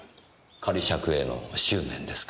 仮釈への執念ですか。